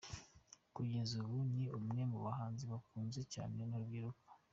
Kugeza ubu ni umwe mu bahanzi bakunzwe cyane n’urubyiruko.